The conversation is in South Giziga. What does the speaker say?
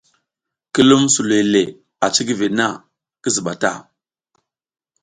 Ki lum suloy le a cikiviɗ na, ki ziɓa ta.